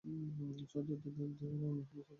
সহযোদ্ধাদের নিয়ে রওনা হলেন সেদিকে।